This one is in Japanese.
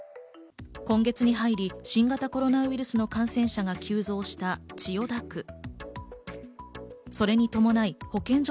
今月に入り新型コロナウイルスの感染者が急増した千代田区。